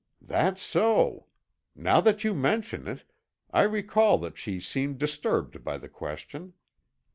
"That's so. Now that you mention it, I recall that she seemed disturbed by the question.